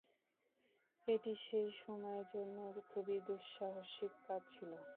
এটি সেই সময়ের জন্য খুবই দুঃসাহসিক কাজ ছিল।